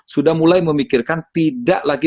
sudah mulai memikirkan tidak lagi